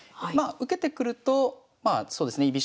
まあ受けてくるとまあそうですね